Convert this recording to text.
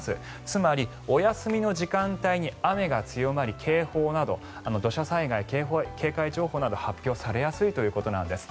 つまり、お休みの時間帯に雨が強まり、警報など土砂災害警戒情報など発表されやすいということなんです。